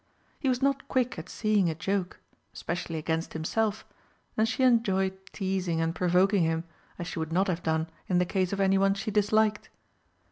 He was not quick at seeing a joke especially against himself and she enjoyed teasing and provoking him as she would not have done in the case of anyone she disliked.